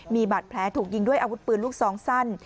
มีบาดแผลถูกยิงด้วยอาวุธปืนลูกซองสั้น